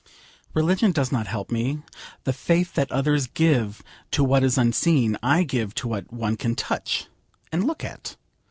Religion does not help me. The faith that others give to what is unseen, I give to what one can touch, and look at.